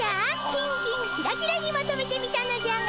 キンキンキラキラにまとめてみたのじゃが。